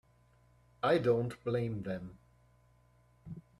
I don't blame them.